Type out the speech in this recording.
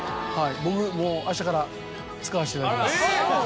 僕もう明日から使わせていただきます。